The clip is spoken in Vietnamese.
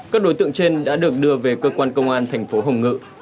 các đối tượng trên đã được đưa về cơ quan công an thành phố hồng ngự